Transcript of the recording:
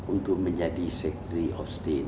untuk menjadi sectory of state